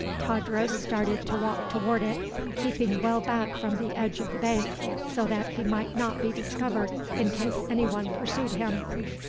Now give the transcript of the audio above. Tadros started to walk toward it, keeping well back from the edge of the bank so that he might not be discovered in case anyone pursued him.